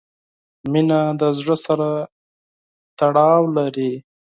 • مینه د زړۀ سره تړاو لري.